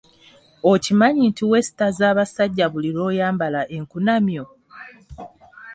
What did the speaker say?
Okimanyi nti weesittaza abasajja buli lw'oyambala enkunamyo?